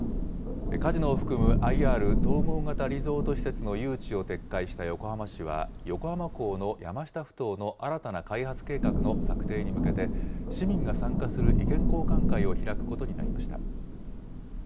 カジノを含むＩＲ・統合型リゾート施設の誘致を撤回した横浜市は、横浜港の山下ふ頭の新たな開発計画の策定に向けて、市民が参加する意見交換会を開くことになりました。